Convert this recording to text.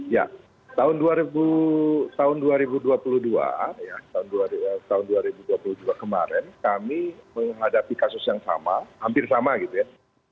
ya tahun dua ribu dua puluh dua tahun dua ribu dua puluh dua kemarin kami menghadapi kasus yang sama hampir sama gitu ya